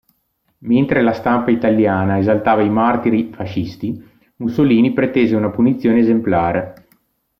Mentre la stampa italiana esaltava i "martiri fascisti", Mussolini pretese una punizione esemplare.